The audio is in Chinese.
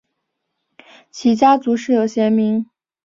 其家族世有贤名。